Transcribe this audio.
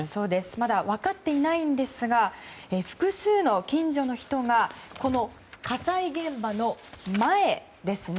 まだ分かっていないんですが複数の近所の人が火災現場の前ですね